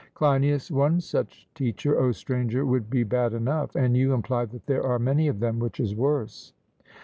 CLEINIAS: One such teacher, O stranger, would be bad enough, and you imply that there are many of them, which is worse.